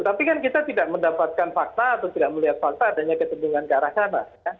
tapi kan kita tidak mendapatkan fakta atau tidak melihat fakta adanya kecendungan ke arah sana